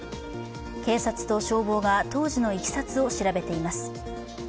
警察と消防が当時のいきさつを調べています。